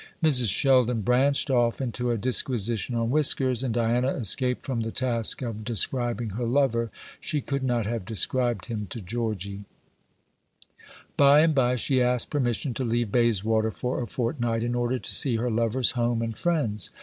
Mrs. Sheldon branched off into a disquisition on whiskers, and Diana escaped from the task of describing her lover. She could not have described him to Georgy. By and by she asked permission to leave Bayswater for a fortnight, in order to see her lover's home and friends.